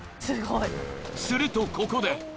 するとここで。